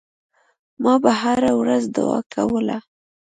ما به هره ورځ دعا کوله.